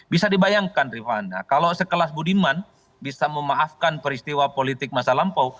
bisa dibayangkan rifana kalau sekelas budiman bisa memaafkan peristiwa politik masa lampau